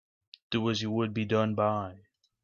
Do as you would be done by.